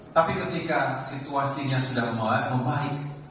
tapi ketika situasinya sudah mulai membaik